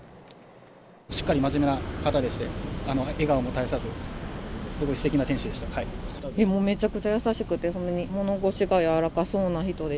しっかり真面目な方でして、笑顔も絶やさず、すごいすてきなめちゃくちゃ優しくて、物腰が柔らかそうな人で。